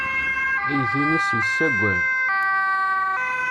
Aydi-nnes yessaggad.